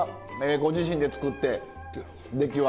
ご自身で作って出来は。